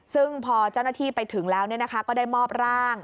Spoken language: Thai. ซึ่งพอเจ้าหน้าที่ไปถึงแล้วก็ได้มอบร่าง